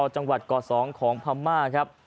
จังหวัดก่อ๒ของพม่าครับ